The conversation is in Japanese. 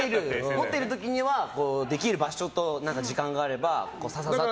持っている時にはできる場所と時間があればさささっと。